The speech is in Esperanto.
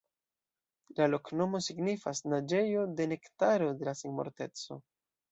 La loknomo signifas: "Naĝejo de Nektaro de la Senmorteco".